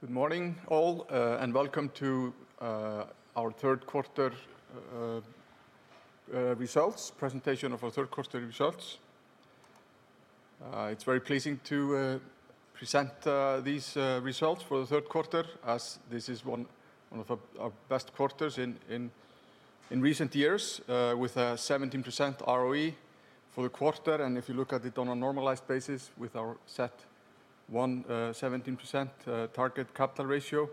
Good morning all, and welcome to our third quarter results presentation of our third quarter results. It's very pleasing to present these results for the third quarter as this is one of our best quarters in recent years with a 17% ROE for the quarter. If you look at it on a normalized basis with our CET1 17% target capital ratio,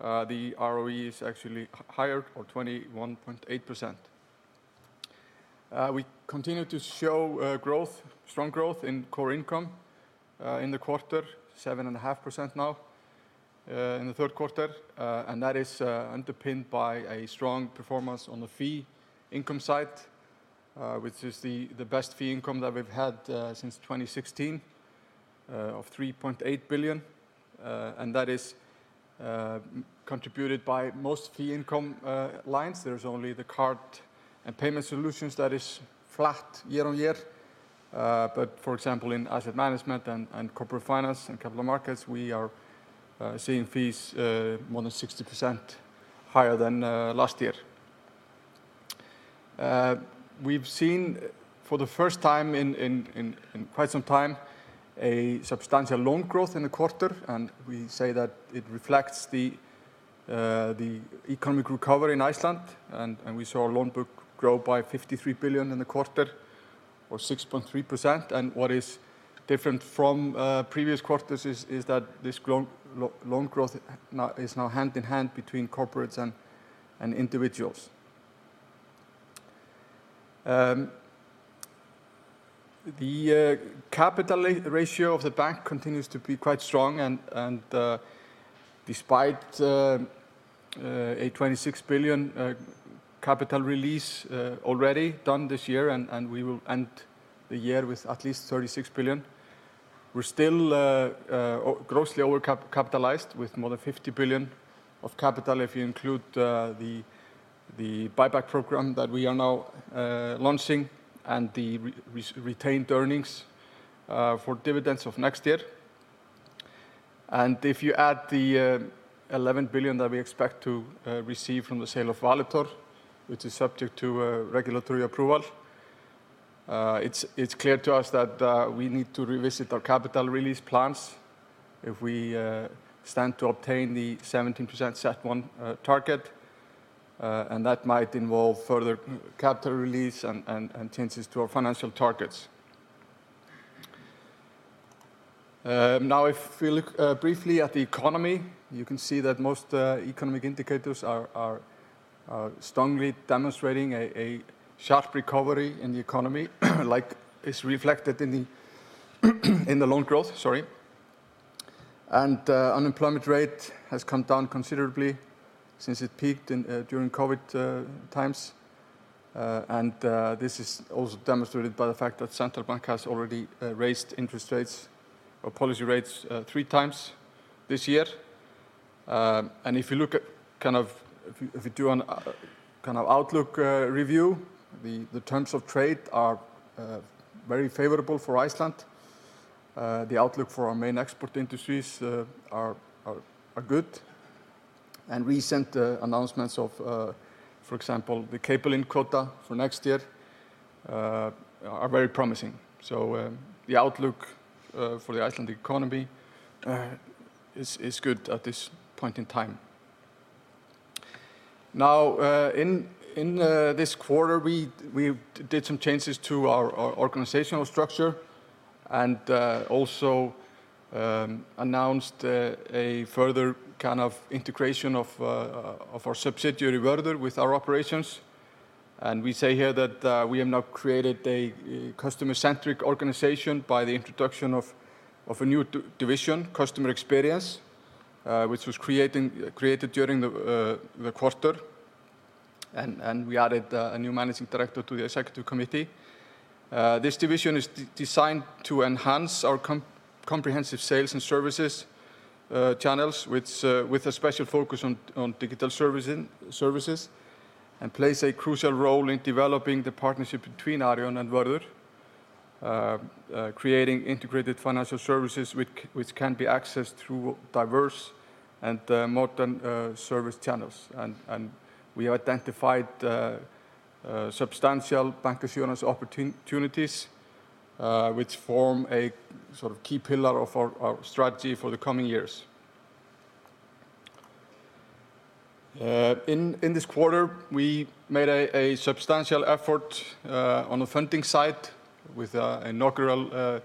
the ROE is actually higher or 21.8%. We continue to show strong growth in core income in the quarter, 7.5% now in the third quarter. That is underpinned by a strong performance on the fee income side, which is the best fee income that we've had since 2016 of 3.8 billion. That is contributed by most fee income lines. There's only the card and payment solutions that is flat year-over-year. For example, in asset management and corporate finance and capital markets, we are seeing fees more than 60% higher than last year. We've seen for the first time in quite some time a substantial loan growth in the quarter, and we say that it reflects the economic recovery in Iceland. We saw our loan book grow by 53 billion in the quarter or 6.3%. What is different from previous quarters is that this loan growth now is hand in hand between corporates and individuals. The CET1 ratio of the bank continues to be quite strong despite a 26 billion capital release already done this year and we will end the year with at least 36 billion. We're still grossly overcapitalized with more than 50 billion of capital if you include the buyback program that we are now launching and the retained earnings for dividends of next year. If you add the 11 billion that we expect to receive from the sale of Valitor, which is subject to regulatory approval, it's clear to us that we need to revisit our capital release plans if we stand to obtain the 17% CET1 target, and that might involve further capital release and changes to our financial targets. Now if we look briefly at the economy, you can see that most economic indicators are strongly demonstrating a sharp recovery in the economy, like is reflected in the loan growth. Sorry. Unemployment rate has come down considerably since it peaked during COVID times. This is also demonstrated by the fact that Central Bank has already raised interest rates or policy rates three times this year. If you look at kind of an outlook review, the terms of trade are very favorable for Iceland. The outlook for our main export industries are good. Recent announcements of, for example, the capelin quota for next year, are very promising. The outlook for the Icelandic economy is good at this point in time. In this quarter, we did some changes to our organizational structure and also announced a further kind of integration of our subsidiary, Vörður, with our operations. We say here that we have now created a customer-centric organization by the introduction of a new division, Customer Experience, which was created during the quarter. We added a new managing director to the executive committee. This division is designed to enhance our comprehensive sales and services channels, which with a special focus on digital servicing services, and plays a crucial role in developing the partnership between Arion and Vörður, creating integrated financial services which can be accessed through diverse and modern service channels. We have identified substantial bancassurance opportunities, which form a sort of key pillar of our strategy for the coming years. In this quarter, we made a substantial effort on the funding side with inaugural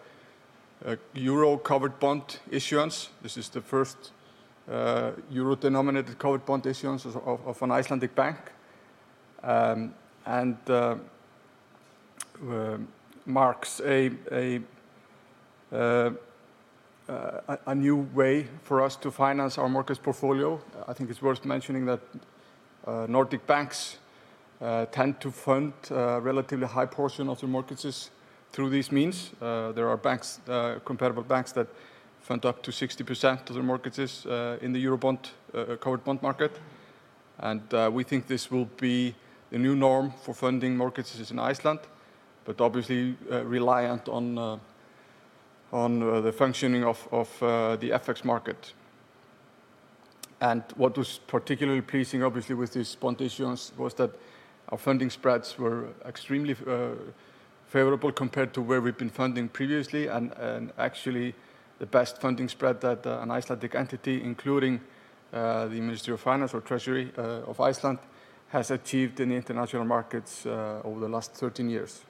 euro covered bond issuance. This is the first euro-denominated covered bond issuance of an Icelandic bank, and marks a new way for us to finance our mortgage portfolio. I think it's worth mentioning that Nordic banks tend to fund a relatively high portion of their mortgages through these means. There are comparable banks that fund up to 60% of their mortgages in the euro covered bond market. We think this will be the new norm for funding markets in Iceland, but obviously reliant on the functioning of the FX market. What was particularly pleasing obviously with these bond issuance was that our funding spreads were extremely favorable compared to where we've been funding previously and actually the best funding spread that an Icelandic entity, including the Ministry of Finance or Treasury of Iceland has achieved in the international markets over the last 13 years.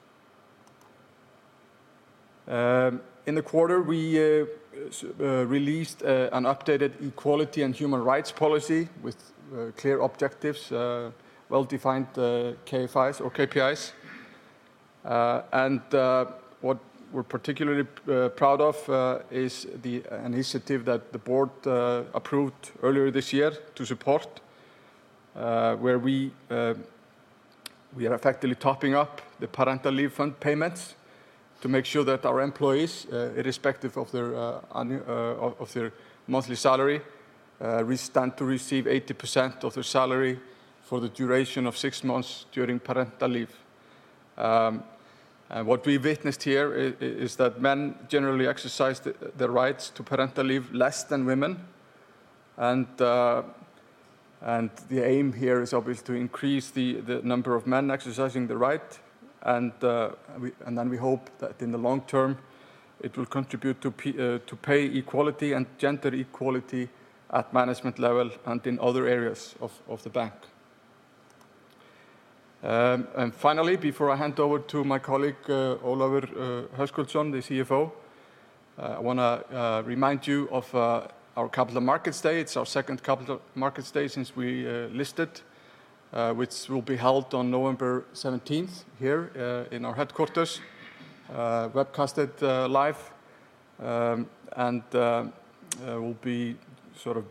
In the quarter we released an updated equality and human rights policy with clear objectives, well-defined KPIs. What we're particularly proud of is the initiative that the board approved earlier this year to support where we are effectively topping up the parental leave fund payments to make sure that our employees irrespective of their monthly salary stand to receive 80% of their salary for the duration of six months during parental leave. What we witnessed here is that men generally exercise their rights to parental leave less than women, and the aim here is obviously to increase the number of men exercising the right, and then we hope that in the long term it will contribute to pay equality and gender equality at management level and in other areas of the bank. Finally, before I hand over to my colleague, Ólafur Hrafn Höskuldsson, the CFO, I wanna remind you of our Capital Markets Day. It's our second Capital Markets Day since we listed, which will be held on November 17th here in our headquarters, webcasted live, and will be sort of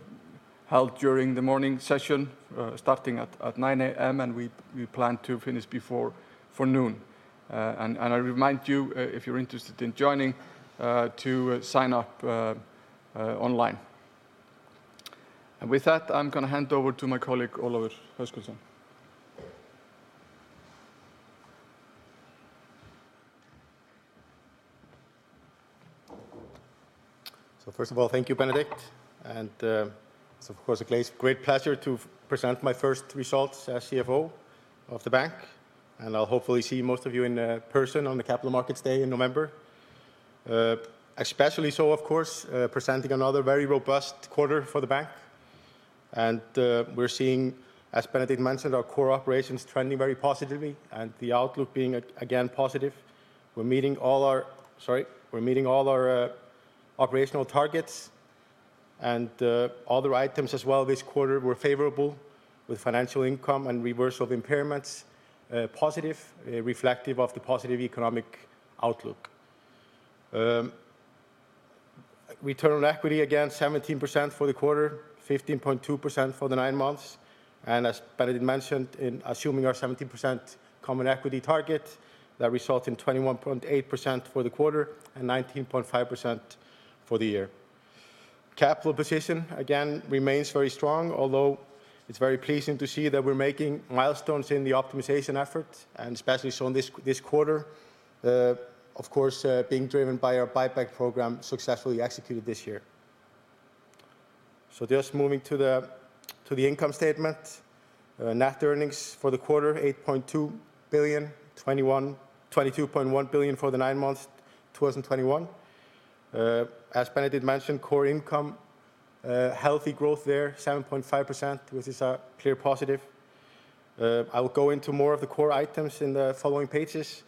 held during the morning session, starting at 9:00 A.M., and we plan to finish before noon. I remind you if you're interested in joining to sign up online. With that, I'm gonna hand over to my colleague, Ólafur Höskuldsson. First of all, thank you, Benedikt, and it's of course a great pleasure to present my first results as CFO of the bank, and I'll hopefully see most of you in person on the Capital Markets Day in November. Especially so of course presenting another very robust quarter for the bank. We're seeing, as Benedikt mentioned, our core operations trending very positively and the outlook being again positive. We're meeting all our operational targets, and other items as well this quarter were favorable with financial income and reversal of impairments positive reflective of the positive economic outlook. Return on equity, again, 17% for the quarter, 15.2% for the nine months, and as Benedikt mentioned, in assuming our 17% common equity target, that result in 21.8% for the quarter and 19.5% for the year. Capital position, again, remains very strong, although it's very pleasing to see that we're making milestones in the optimization effort, and especially so in this quarter, of course, being driven by our buyback program successfully executed this year. Just moving to the income statement. Net earnings for the quarter, 8.2 billion, 22.1 billion for the nine months 2021. As Benedikt mentioned, core income, healthy growth there, 7.5%, which is a clear positive. I will go into more of the core items in the following pages,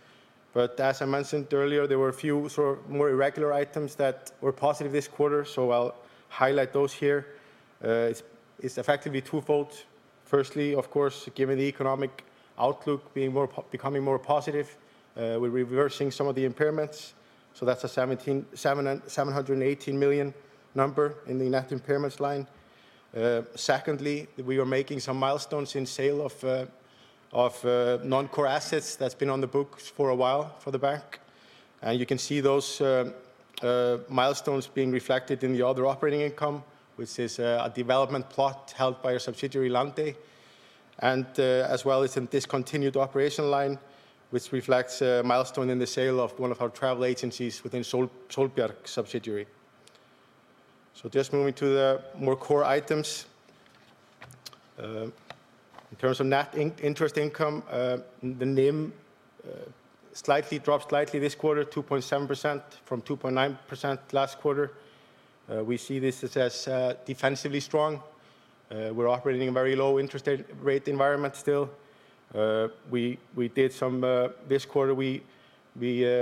but as I mentioned earlier, there were a few sort of more irregular items that were positive this quarter, so I'll highlight those here. It's effectively twofold. Firstly, of course, given the economic outlook becoming more positive, we're reversing some of the impairments, so that's 718 million number in the net impairments line. Secondly, we are making some milestones in sale of non-core assets that's been on the books for a while for the bank. You can see those milestones being reflected in the other operating income, which is a development plot held by a subsidiary, Landey, and as well as in discontinued operation line, which reflects a milestone in the sale of one of our travel agencies within Sólbjarg subsidiary. Just moving to the more core items. In terms of net interest income, the NIM dropped slightly this quarter, 2.7% from 2.9% last quarter. We see this as defensively strong. We're operating in a very low interest rate environment still. We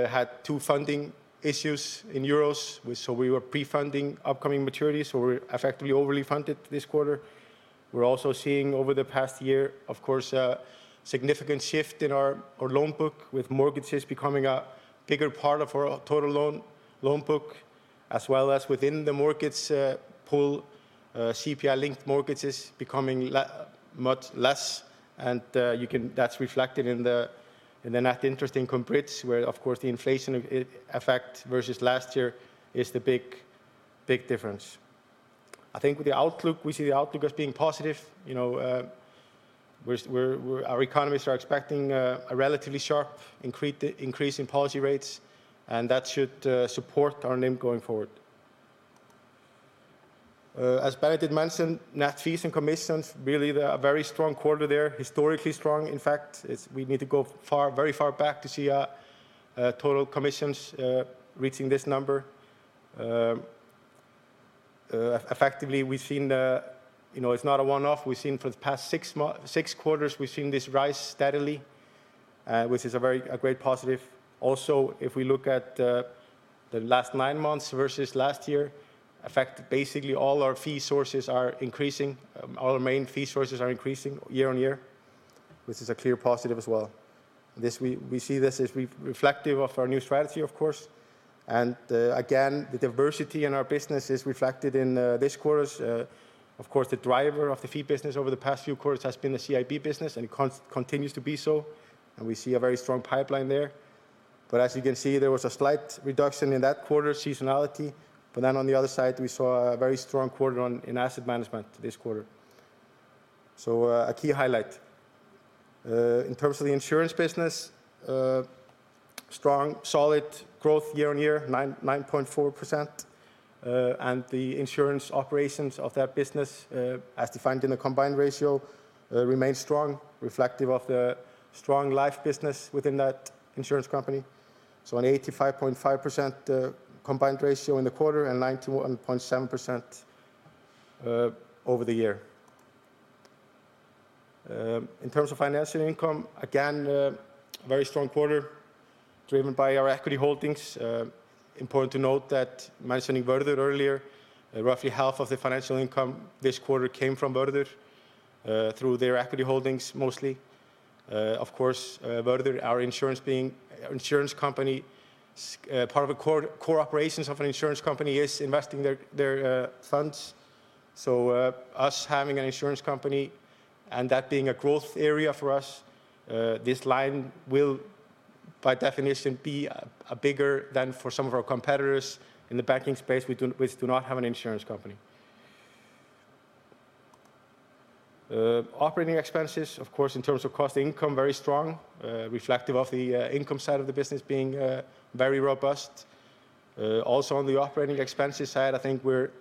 had two funding issues in euros. We were pre-funding upcoming maturities, so we're effectively overly funded this quarter. We're also seeing over the past year, of course, a significant shift in our loan book with mortgages becoming a bigger part of our total loan book, as well as within the markets pool, CPI-linked mortgages becoming much less, and you can see that's reflected in the net interest income splits, where of course the inflation effect versus last year is the big difference. I think with the outlook, we see the outlook as being positive. Our economies are expecting a relatively sharp increase in policy rates, and that should support our NIM going forward. As Benedikt mentioned, net fees and commissions really they're a very strong quarter there, historically strong, in fact. We need to go far, very far back to see total commissions reaching this number. Effectively we've seen, you know, it's not a one-off. We've seen for the past six quarters, we've seen this rise steadily, which is a great positive. Also, if we look at the last nine months versus last year, basically all our fee sources are increasing, all our main fee sources are increasing year-over-year, which is a clear positive as well. We see this as reflective of our new strategy, of course. Again, the diversity in our business is reflected in these quarters. Of course, the driver of the fee business over the past few quarters has been the CIB business, and it continues to be so, and we see a very strong pipeline there. As you can see, there was a slight reduction in that quarter seasonality. On the other side, we saw a very strong quarter in asset management this quarter. A key highlight. In terms of the insurance business, strong, solid growth year-over-year, 9.4%. And the insurance operations of that business, as defined in the combined ratio, remains strong, reflective of the strong life business within that insurance company. An 85.5% combined ratio in the quarter and 91.7% over the year. In terms of financial income, again, a very strong quarter driven by our equity holdings. Important to note that mentioning Vörður earlier, roughly half of the financial income this quarter came from Vörður, through their equity holdings mostly. Of course, Vörður, our insurance company, part of the core operations of an insurance company is investing their funds. Us having an insurance company and that being a growth area for us, this line will by definition be bigger than for some of our competitors in the banking space which do not have an insurance company. Operating expenses, of course, in terms of cost-to-income, very strong, reflective of the income side of the business being very robust. Also on the operating expenses side, I think we're,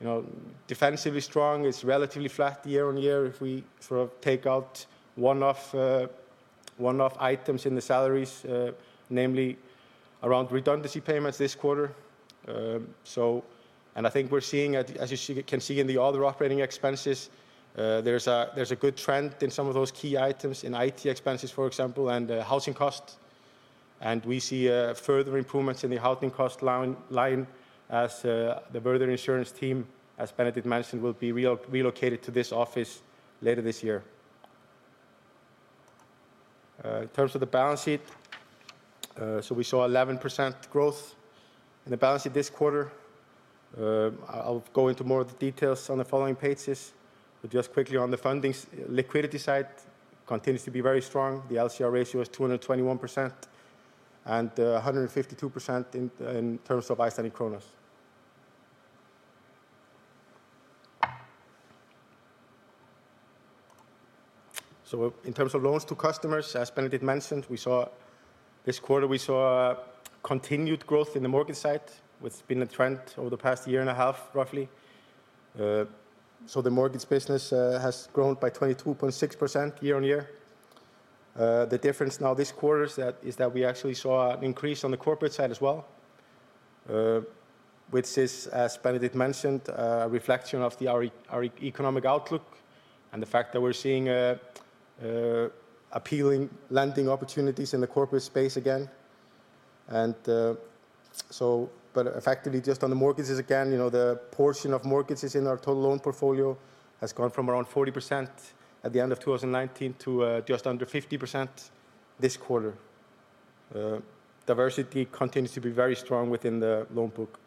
you know, defensively strong. It's relatively flat year-on-year if we sort of take out one-off items in the salaries, namely around redundancy payments this quarter. I think we're seeing, as you can see in the other operating expenses, there's a good trend in some of those key items, in IT expenses, for example, and housing costs. We see further improvements in the housing cost line as the Vörður insurance team, as Benedikt mentioned, will be relocated to this office later this year. In terms of the balance sheet, we saw 11% growth in the balance sheet this quarter. I'll go into more of the details on the following pages. Just quickly on the funding liquidity side continues to be very strong. The LCR ratio is 221% and 152% in terms of Icelandic kronas. In terms of loans to customers, as Benedikt mentioned, we saw a continued growth in the mortgage side, which been a trend over the past year and a half, roughly. The mortgage business has grown by 22.6% year-on-year. The difference now this quarter is that we actually saw an increase on the corporate side as well, which is, as Benedikt mentioned, a reflection of our economic outlook and the fact that we're seeing appealing lending opportunities in the corporate space again. Effectively, just on the mortgages, again, you know, the portion of mortgages in our total loan portfolio has gone from around 40% at the end of 2019 to just under 50% this quarter. Diversity continues to be very strong within the loan book.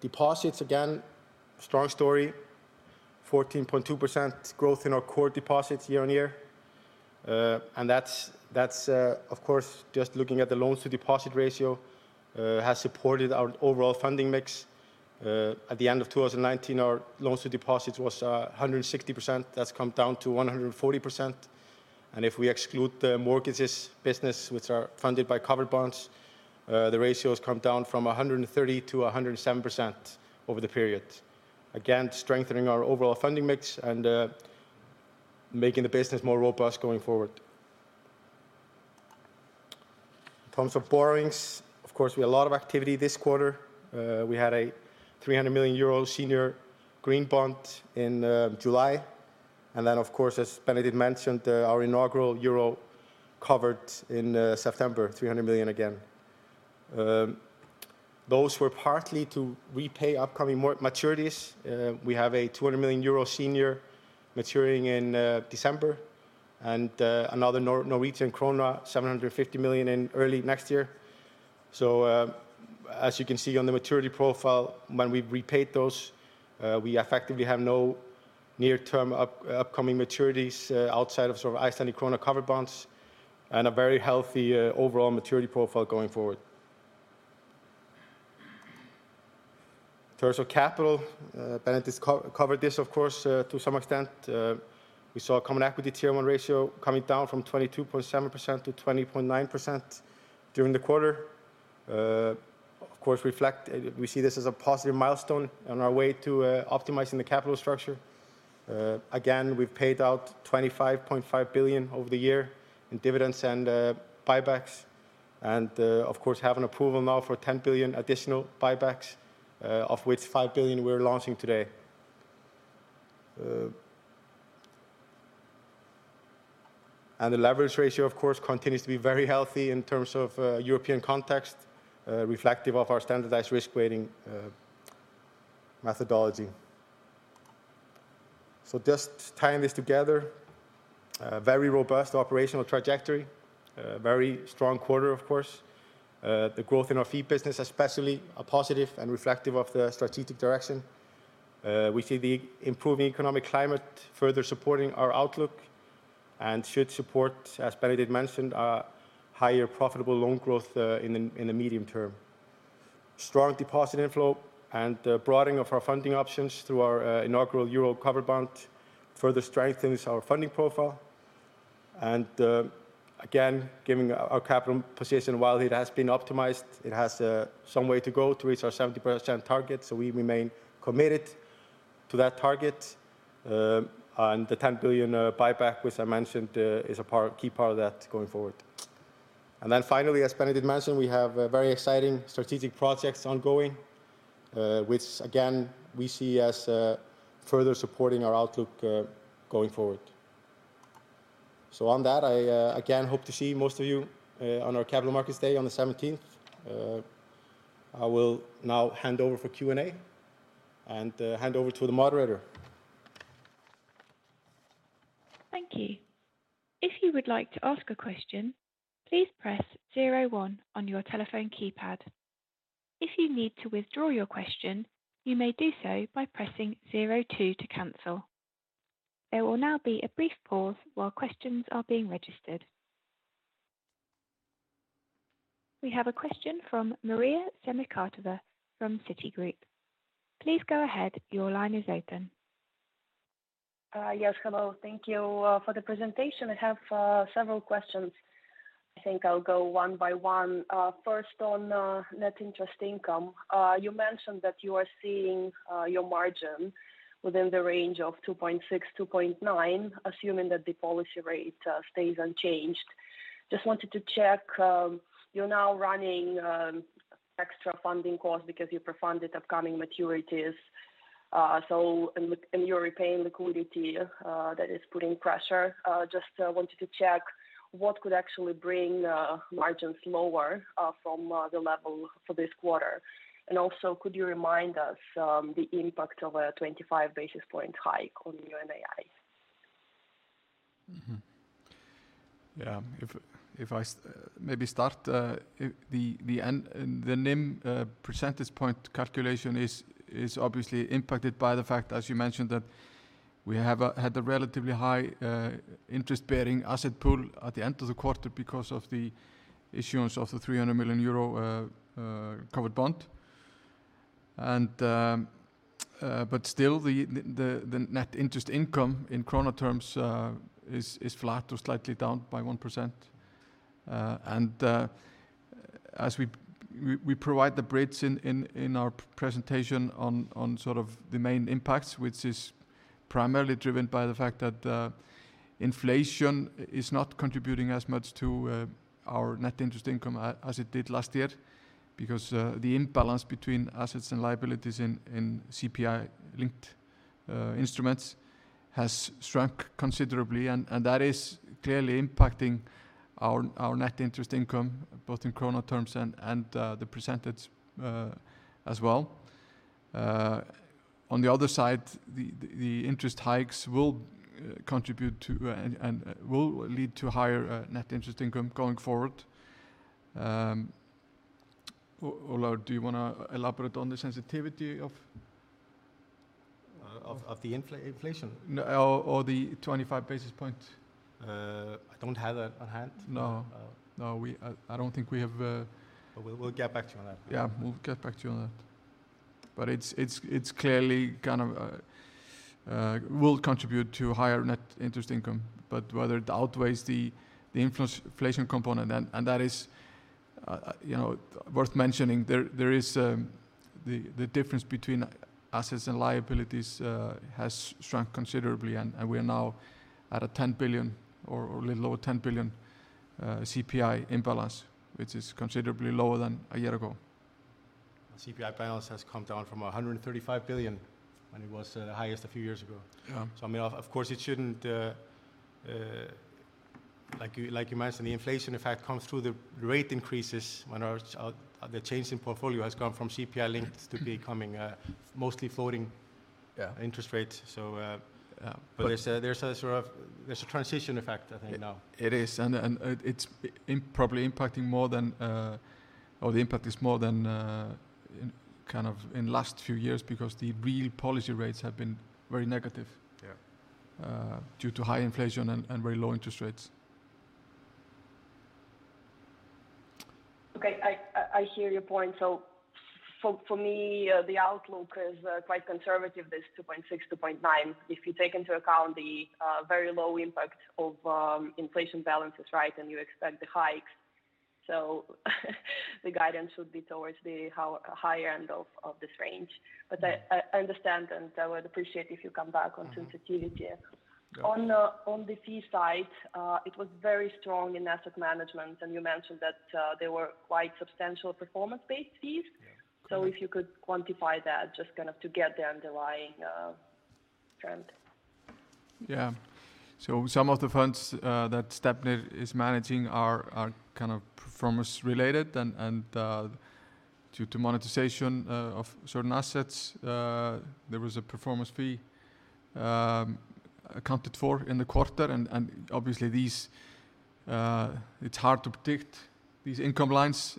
Deposits, again, strong story, 14.2% growth in our core deposits year-on-year. That's, of course, just looking at the loans to deposit ratio, has supported our overall funding mix. At the end of 2019, our loans to deposits was a 160%. That's come down to 140%. If we exclude the mortgages business, which are funded by covered bonds, the ratio has come down from 130% to 107% over the period. Again, strengthening our overall funding mix and making the business more robust going forward. In terms of borrowings, of course, we had a lot of activity this quarter. We had 300 million euro senior green bond in July. Then, of course, as Benedikt mentioned, our inaugural euro covered bond in September, 300 million again. Those were partly to repay upcoming maturities. We have 200 million euro senior maturing in December and another Norwegian krone 750 million in early next year. As you can see on the maturity profile, when we've repaid those, we effectively have no near-term upcoming maturities outside of sort of Icelandic krona covered bonds and a very healthy overall maturity profile going forward. In terms of capital, Benedikt has covered this, of course, to some extent. We saw a Common Equity Tier 1 ratio coming down from 22.7% to 20.9% during the quarter. Of course, we see this as a positive milestone on our way to optimizing the capital structure. Again, we've paid out 25.5 billion over the year in dividends and buybacks and, of course, have an approval now for 10 billion additional buybacks, of which 5 billion we're launching today. The leverage ratio, of course, continues to be very healthy in terms of European context, reflective of our standardized risk-weighting methodology. Just tying this together, a very robust operational trajectory, a very strong quarter, of course. The growth in our fee business especially are positive and reflective of the strategic direction. We see the improving economic climate further supporting our outlook and should support, as Benedikt mentioned, a higher profitable loan growth in the medium term. Strong deposit inflow and the broadening of our funding options through our inaugural euro covered bond further strengthens our funding profile. Again, given our capital position, while it has been optimized, it has some way to go to reach our 70% target, so we remain committed to that target. The 10 billion buyback, which I mentioned, is a part, key part of that going forward. Finally, as Benedikt mentioned, we have very exciting strategic projects ongoing, which again, we see as further supporting our outlook going forward. I again hope to see most of you on our Capital Markets Day on November 17th. I will now hand over for Q&A and hand over to the moderator. Thank you. If you would like to ask a question, please press zero one on your telephone keypad. If you need to withdraw your question, you may do so by pressing zero two to cancel. There will now be a brief pause while questions are being registered. We have a question from Maria Semikhatova from Citigroup. Please go ahead. Your line is open. Yes, hello. Thank you for the presentation. I have several questions. I think I'll go one by one. First on net interest income. You mentioned that you are seeing your margin within the range of 2.6%-2.9%, assuming that the policy rate stays unchanged. Just wanted to check, you're now running extra funding costs because you pre-funded upcoming maturities, so you're repaying liquidity that is putting pressure. Just wanted to check what could actually bring margins lower from the level for this quarter? Also, could you remind us the impact of a 25 basis point hike on NII? If I maybe start with the end, the NIM percentage point calculation is obviously impacted by the fact, as you mentioned, that we had a relatively high interest-bearing asset pool at the end of the quarter because of the issuance of the 300 million euro covered bond. Still the net interest income in krona terms is flat or slightly down by 1%. As we provide the bridge in our presentation on sort of the main impacts, which is primarily driven by the fact that inflation is not contributing as much to our net interest income as it did last year. Because the imbalance between assets and liabilities in CPI-linked instruments has shrunk considerably and that is clearly impacting our net interest income both in krona terms and the percentage as well. On the other side, the interest hikes will contribute to and will lead to higher net interest income going forward. Óla, do you wanna elaborate on the sensitivity of... Of the inflation? No. The 25 basis point. I don't have that on hand. No. Uh. No. I don't think we have a We'll get back to you on that. Yeah. We'll get back to you on that. It's clearly kind of will contribute to higher net interest income, but whether it outweighs the inflation component and that is, you know, worth mentioning, there is the difference between assets and liabilities has shrunk considerably, and we are now at 10 billion or a little lower 10 billion CPI imbalance, which is considerably lower than a year ago. CPI balance has come down from 135 billion when it was highest a few years ago. Yeah. I mean, of course, it shouldn't, like you mentioned, the inflation effect comes through the rate increases when our, the change in portfolio has gone from CPI-linked to becoming, mostly floating. Yeah interest rates. Yeah. There's a sort of transition effect, I think now. It is. It's probably impacting more than, or the impact is more than in kind of the last few years because the real policy rates have been very negative. Yeah due to high inflation and very low interest rates. Okay. I hear your point. For me, the outlook is quite conservative, this 2.6%-2.9%, if you take into account the very low impact of inflation balances, right, and you expect the hikes. The guidance would be towards the higher end of this range. I understand, and I would appreciate if you come back on sensitivity. Got it. On the fee side, it was very strong in asset management, and you mentioned that there were quite substantial performance-based fees. Yeah. Correct. If you could quantify that just kind of to get the underlying trend. Yeah. Some of the funds that Stefnir is managing are kind of performance related and due to monetization of certain assets there was a performance fee accounted for in the quarter. Obviously, it's hard to predict these income lines.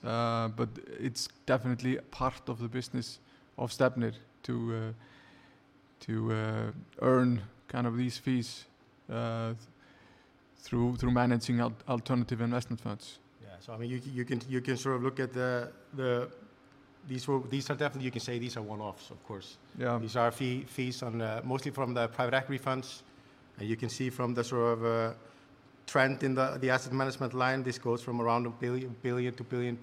It's definitely part of the business of Stefnir to earn kind of these fees through managing alternative investment funds. I mean, you can sort of look at the... These are definitely, you can say these are one-offs, of course. Yeah. These are fees mostly from the private equity funds. You can see from the sort of trend in the asset management line, this goes from around 1 billion to 1.2 billion,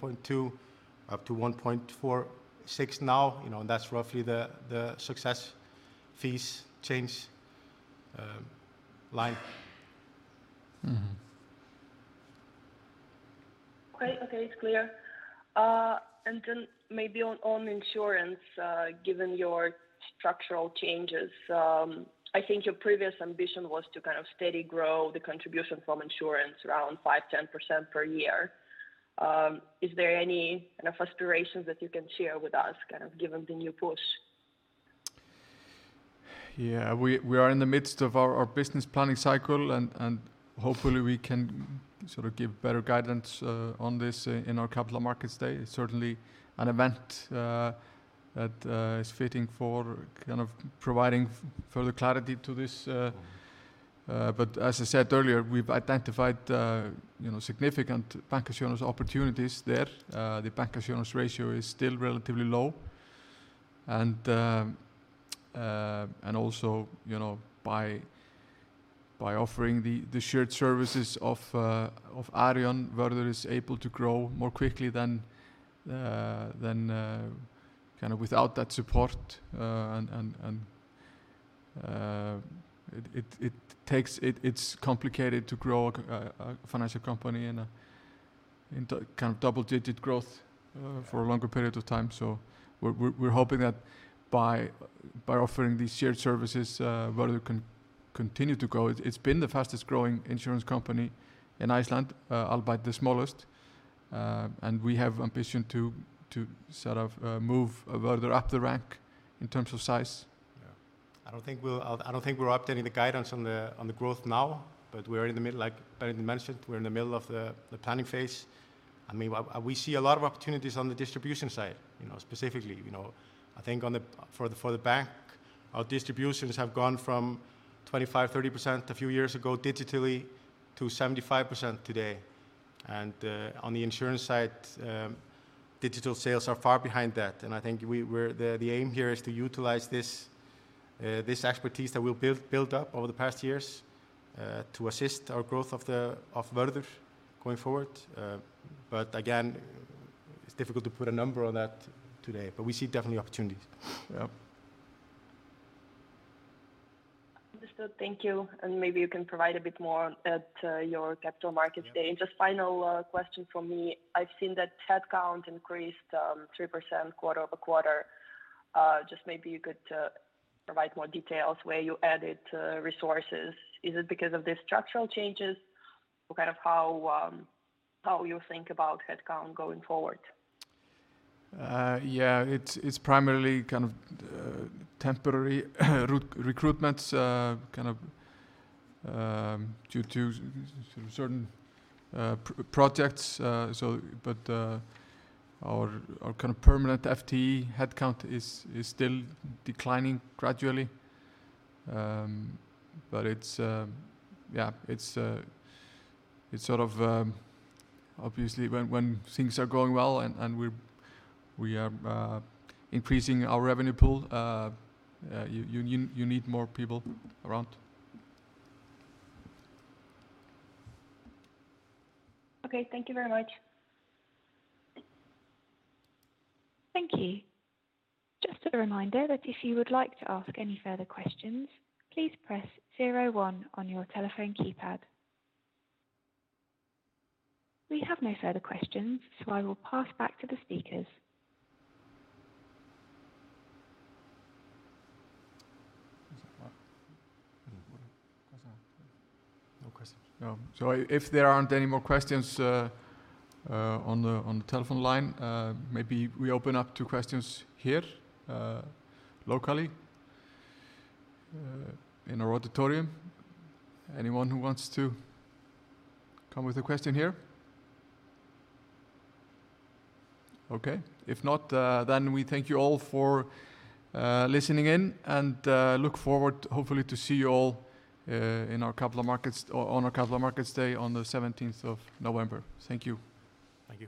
up to 1.46 now. You know, that's roughly the success fees change line. Mm-hmm. Great. Okay. It's clear. Maybe on insurance, given your structural changes, I think your previous ambition was to kind of steady grow the contribution from insurance around 5%-10% per year. Is there any kind of aspirations that you can share with us, kind of given the new push? We are in the midst of our business planning cycle and hopefully we can sort of give better guidance on this in our Capital Markets Day. It's certainly an event that is fitting for kind of providing further clarity to this. But as I said earlier, we've identified you know, significant bancassurance opportunities there. The bancassurance ratio is still relatively low. Also, you know, by offering the shared services of Arion, Vörður is able to grow more quickly than kind of without that support. It's complicated to grow a financial company in kind of double-digit growth for a longer period of time. We're hoping that by offering these shared services, Vörður can continue to grow. It's been the fastest growing insurance company in Iceland, albeit the smallest. We have ambition to sort of move Vörður up the rank in terms of size. I don't think we're updating the guidance on the growth now, but we are in the middle of the planning phase, like Benedikt mentioned. I mean, we see a lot of opportunities on the distribution side, you know, specifically. You know, I think on the for the bank, our distributions have gone from 25%-30% a few years ago digitally to 75% today. On the insurance side, digital sales are far behind that. I think the aim here is to utilize this expertise that we've built up over the past years to assist our growth of Vörður going forward. Again, it's difficult to put a number on that today. We see definite opportunities. Yeah. Understood. Thank you. Maybe you can provide a bit more at your Capital Markets Day. Yeah. Just final question from me. I've seen that headcount increased 3% quarter-over-quarter. Just maybe you could provide more details where you added resources. Is it because of the structural changes or kind of how you think about headcount going forward? It's primarily kind of temporary recruitments kind of due to certain projects. Our permanent FTE headcount is still declining gradually. It's sort of obviously when things are going well and we are increasing our revenue pool, you need more people around. Okay. Thank you very much. Thank you. Just a reminder that if you would like to ask any further questions, please press zero one on your telephone keypad. We have no further questions, so I will pass back to the speakers. No questions. No. If there aren't any more questions on the telephone line, maybe we open up to questions here locally in our auditorium. Anyone who wants to come with a question here? Okay. If not, we thank you all for listening in and look forward hopefully to see you all in our Capital Markets Day on November 17th. Thank you. Thank you.